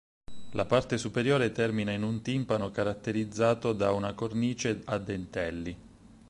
La parte superiore termina in un timpano caratterizzato da una cornice a dentelli.